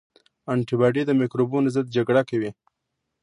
انټي باډي د مکروبونو ضد جګړه کوي